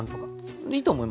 いいと思いますよ。